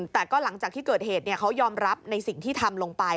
แต่ก็หลังจากที่เกิดเหตุเขายอมรับในสิ่งที่ทำลงไป